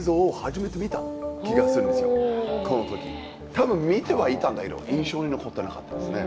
多分見てはいたんだけど印象に残ってなかったですね。